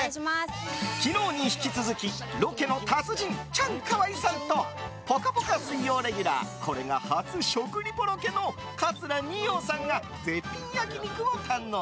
昨日に引き続きロケの達人、チャンカワイさんと「ぽかぽか」水曜レギュラーこれが初食リポロケの桂二葉さんが絶品焼き肉を堪能！